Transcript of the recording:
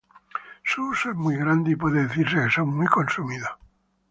Su uso es muy grande y puede decirse que son muy consumidos.